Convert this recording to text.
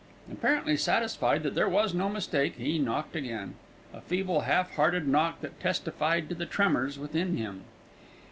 Apparently satisfied that there was no mistake, he knocked again, a feeble, half hearted knock that testified to the tremors within him.